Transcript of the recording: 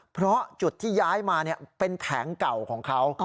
เพราะจุดที่ย้ายมาเป็นแผงเก่าของเขา